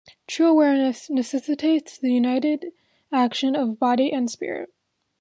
True awareness necessitates the united action of body and spirit.